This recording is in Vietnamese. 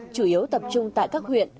chủ yếu tập trung tại các huyện